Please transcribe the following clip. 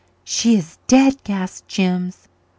"She is dead?" gasped Jims.